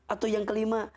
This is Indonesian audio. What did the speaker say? atau yang kelima